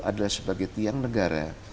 adalah sebagai tiang negara